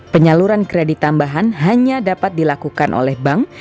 penyaluran kredit tambahan hanya dapat dilakukan oleh bank